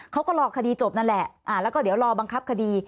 เขาก็รอคดีจบนั่นแหละแล้วก็เดี๋ยวรอบังคับคดี